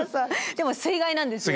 でも水害なんですよね。